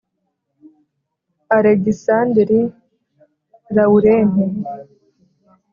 alegisanderi, lawurenti